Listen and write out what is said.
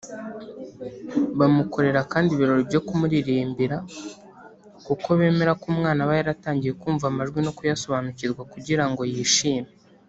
Bamukorera kandi ibirori byo kumuririmbira kuko bemera ko umwana aba yaratangiye kumva amajwi no kuyasobanukirwa kugira ngo yishime